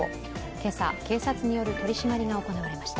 今朝、警察による取り締まりが行われました。